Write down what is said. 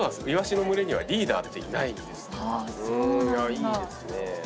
いいですねぇ。